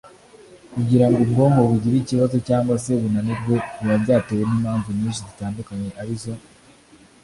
Kugirango ubwonko bugire ikibazo cyangwa se bunanirwe biba byatewe n’impamvu nyinshi zitandukanye ari zo